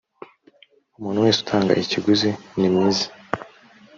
umuntu wese utanga ikiguzi ni mwiza